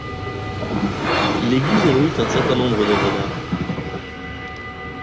L'église abrite un certain nombre d'œuvres d'art.